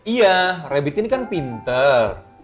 iya rabbit ini kan pinter